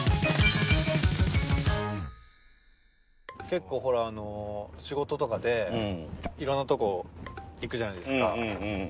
結構ほらあの仕事とかで色んなとこ行くじゃないですか。